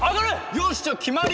よしじゃあ決まり。